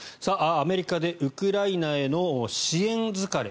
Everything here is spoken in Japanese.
アメリカでウクライナへの支援疲れ